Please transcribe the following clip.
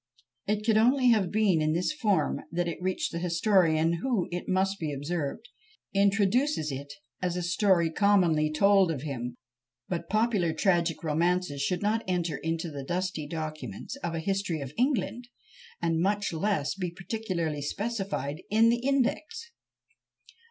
It could only have been in this form that it reached the historian, who, it must be observed, introduces it as a "story commonly told of him;" but popular tragic romances should not enter into the dusty documents of a history of England, and much less be particularly specified in the index!